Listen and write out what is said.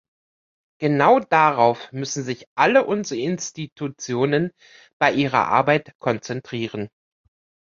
Genau darauf müssen sich alle unsere Institutionen bei ihrer Arbeit konzentrieren.